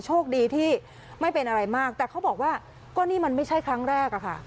โชคดีที่ไม่เป็นอะไรมากแต่เขาบอกว่าก็นี่มันไม่ใช่ครั้งแรกอะค่ะ